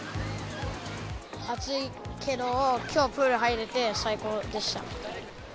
暑いけどきょうプール入れて最高でした。